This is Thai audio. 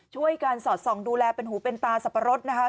ช่วยกันสอดส่องดูแลเป็นหูเป็นตาสับปะรดนะคะ